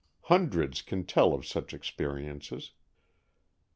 Hundreds can tell of such experiences.